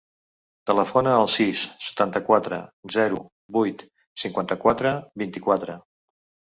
Telefona al sis, setanta-quatre, zero, vuit, cinquanta-quatre, vint-i-quatre.